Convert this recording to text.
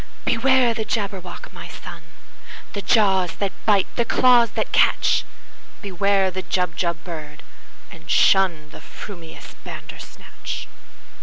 "Beware the Jabberwock, my son! The jaws that bite, the claws that catch! Beware the Jubjub bird, and shunThe frumious Bandersnatch!"